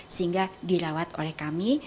sehingga dirawat oleh kami